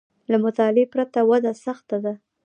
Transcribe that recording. له مطالعې پرته وده سخته ده